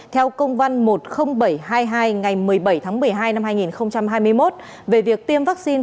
theo công văn một mươi nghìn bảy trăm hai mươi hai ngày một mươi bảy tháng một mươi hai năm hai nghìn hai mươi một về việc tiêm vaccine